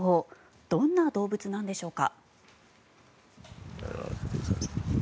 どんな動物なんでしょうか。